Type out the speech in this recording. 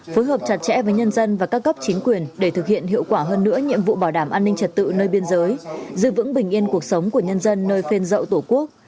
phối hợp chặt chẽ với nhân dân và các cấp chính quyền để thực hiện hiệu quả hơn nữa nhiệm vụ bảo đảm an ninh trật tự nơi biên giới giữ vững bình yên cuộc sống của nhân dân nơi phên dậu tổ quốc